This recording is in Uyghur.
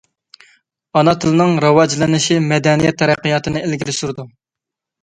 ئانا تىلنىڭ راۋاجلىنىشى مەدەنىيەت تەرەققىياتىنى ئىلگىرى سۈرىدۇ.